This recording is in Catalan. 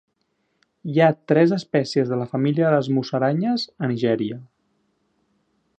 Hi ha tres espècies de la família de les musaranyes a Nigèria.